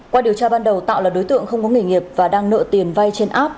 qua điều tra ban đầu tạo là đối tượng không có nghề nghiệp và đang nợ tiền vay trên app